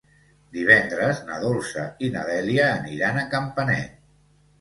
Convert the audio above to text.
Divendres na Dolça i na Dèlia aniran a Campanet.